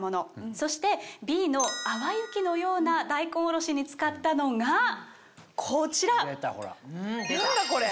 そしてＢの淡雪のような大根おろしに使ったのがこちら！